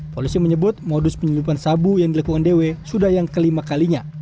polisi menyebut modus penyeludupan sabu yang dilakukan dw sudah yang kelima kalinya